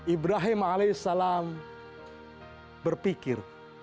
ibrahim alaih salam berpikir